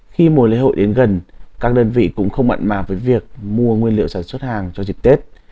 khi mùa lễ hội đến gần các đơn vị cũng không mận mạng với việc mua nguyên liệu sản xuất hàng cho dịch tết